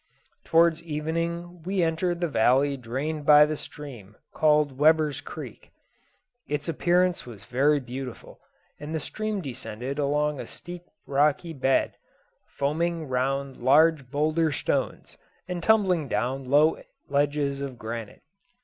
Towards evening we entered the valley drained by the stream called Weber's Creek. Its appearance was very beautiful, and the stream descended along a steep rocky bed, foaming round large boulder stones, and tumbling down low ledges of granite.